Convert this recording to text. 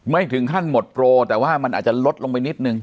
ไม่ถึงขั้นหมดโปรแต่ว่ามันอาจจะลดลงไปนิดนึง